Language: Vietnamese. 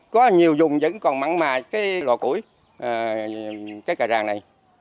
có nhiều dùng vẫn còn mặn mà cái lò củi cái cà ràng này